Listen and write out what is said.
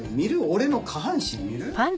俺の下半身見る？